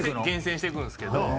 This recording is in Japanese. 厳選してくんですけど。